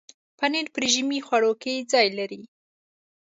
پنېر په رژیمي خواړو کې ځای لري.